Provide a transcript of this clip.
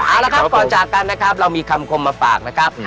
เอาละครับก่อนจากกันนะครับเรามีคำคมมาฝากนะครับ